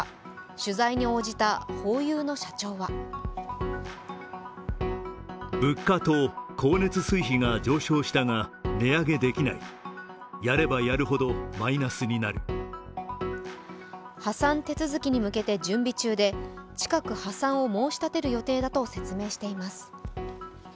取材に応じたホーユーの社長は破産手続きに向けて準備中で近く破産を申し立てる予定だと説明しています。